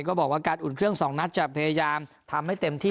ก็บอกว่าการอุ่นเครื่อง๒นัดจะพยายามทำให้เต็มที่